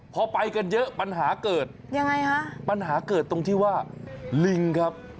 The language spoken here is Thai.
พอไปกันเยอะปัญหาเกิดตรงที่ว่าริงครับ